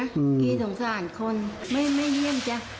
พี่สงสารคนไม่เยี่ยมจ๊ะ